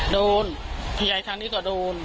โดนผู้ใหญ่ทางนี้ก็โดน